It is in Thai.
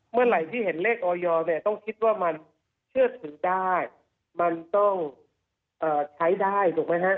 เมื่อไหร่ที่เห็นเลขออยเนี่ยต้องคิดว่ามันเชื่อถือได้มันต้องใช้ได้ถูกไหมฮะ